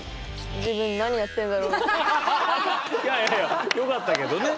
いやいやいやよかったけどね。